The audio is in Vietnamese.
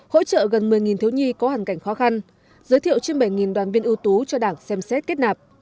hỗ trợ gần một mươi thiếu nhi có hoàn cảnh khó khăn giới thiệu trên bảy đoàn viên ưu tú cho đảng xem xét kết nạp